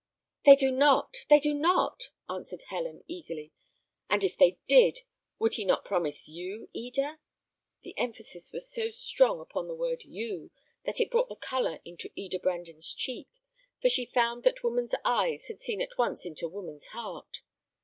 "They do not, they do not," answered Helen, eagerly; "and if they did, would he not promise you, Eda?" The emphasis was so strong upon the word "you," that it brought the colour into Eda Brandon's cheek; for she found that woman's eyes had seen at once into woman's heart.